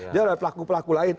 dia ada pelaku pelaku lain